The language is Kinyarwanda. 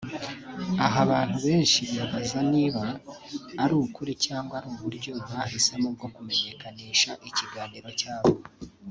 Aha abantu benshi bibaza niba ari ukuri cyangwa ari uburyo bahisemo bwo kumenyekanisha ikiganiro cyabo